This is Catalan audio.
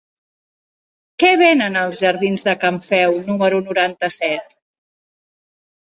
Què venen als jardins de Can Feu número noranta-set?